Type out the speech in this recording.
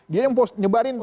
dia yang nyebarin tuh